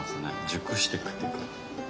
熟してくっていうか。